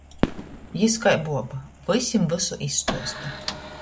Jis kai buoba — vysim vysu izstuosta.